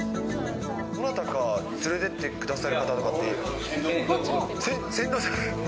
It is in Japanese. どなたか連れてってくださる船頭がおる。